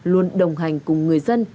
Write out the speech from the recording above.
luôn đồng hành cùng người dân